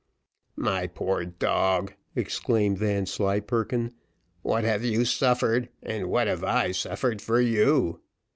"My poor dog!" exclaimed Vanslyperken, "what have you suffered, and what have I suffered for you?